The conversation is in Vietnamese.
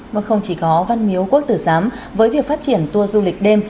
mà không chỉ có văn miếu quốc tử giám với việc phát triển tour du lịch đêm